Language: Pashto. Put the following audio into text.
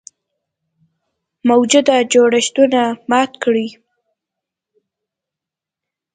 موجوده جوړښتونه مات کړي.